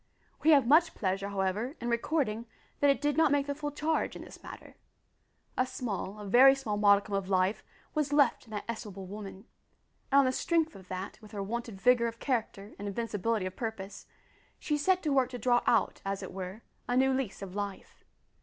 We have much pleasure, however, in recording, that it did not make the full charge in this matter. A small, a very small modicum of life was left in that estimable woman, and on the strength of that, with her wonted vigour of character and invincibility of purpose, she set to work to draw out, as it were, a new lease of life.